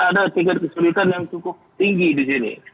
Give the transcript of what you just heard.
jadi ada tingkat kesulitan yang cukup tinggi di sini